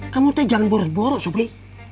kamu tuh jangan boros boros sobri